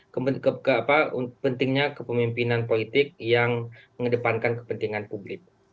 kemudian ke apa pentingnya kepemimpinan politik yang mengedepankan kepentingan publik